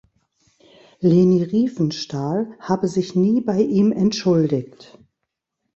Leni Riefenstahl habe sich nie bei ihm entschuldigt.